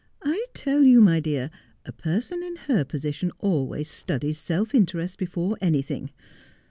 'I tell you, my dear, a person in her position always studies self interest before any thing.